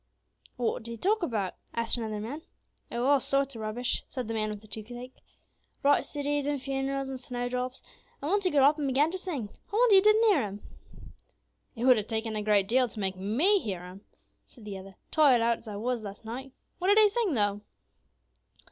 "What did he talk about?" asked another man. "Oh! all sorts of rubbish," said the man with the toothache, "bright cities, and funerals, and snowdrops; and once he got up, and began to sing; I wonder you didn't hear him." "It would have taken a great deal to make me hear him," said the other, "tired out as I was last night; what did he sing, though?"